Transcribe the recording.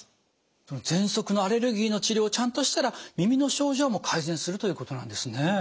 そのぜんそくのアレルギーの治療をちゃんとしたら耳の症状も改善するということなんですね。